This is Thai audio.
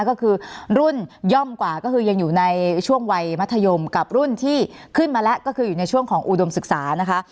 ก็คือรุ่นย่อมกว่าก็คือยังอยู่ในช่วงวัยมัธยมกับรุ่นที่ขึ้นมาแล้วก็คืออยู่ในช่วงของอุดมศึกษานะคะ